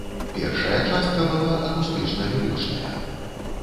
Першая частка была акустычна-лірычная.